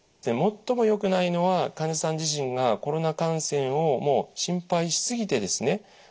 最もよくないのは患者さん自身がコロナ感染を心配し過ぎてですね